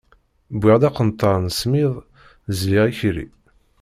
Wwiɣ-d aqenṭar n smid, zliɣ ikerri.